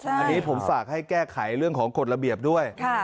อันนี้ผมฝากให้แก้ไขเรื่องของกฎระเบียบด้วย